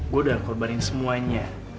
gue udah korbanin semuanya